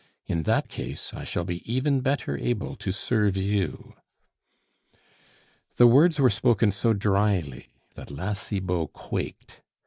In that case, I shall be even better able to serve you." The words were spoken so drily that La Cibot quaked.